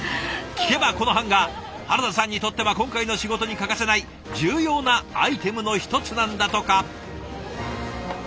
聞けばこのハンガー原田さんにとっては今回の仕事に欠かせない重要なアイテムの一つなんだとか。